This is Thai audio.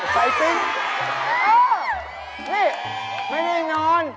นี่ไม่ได้งอน